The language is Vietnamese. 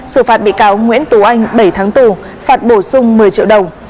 xử phạt bị cáo nguyễn tú anh bảy tháng tù phạt bổ sung một mươi triệu đồng